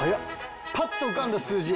パッと浮かんだ数字。